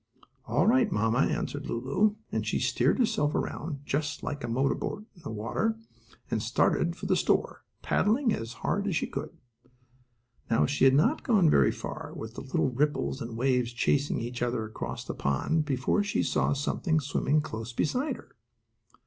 "All right, mamma," answered Lulu, and she steered herself around, just like a motorboat in the water, and started for the store, paddling as hard as she could. She had not gone very far, with the little ripples and waves chasing each other across the pond, before she saw something swimming close beside her.